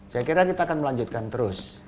saya kira kita akan melanjutkan terus